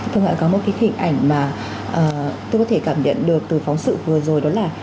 thưa ông ạ có một cái hình ảnh mà tôi có thể cảm nhận được từ phóng sự vừa rồi đó là